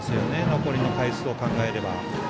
残りの回数を考えれば。